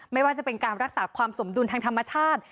ไม่ว่าจะเป็นการรักษาความสมดุลทางธรรมชาติ